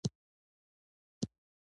کور د ساتنې او خوندیتوب ځای دی.